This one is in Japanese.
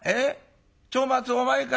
長松お前か？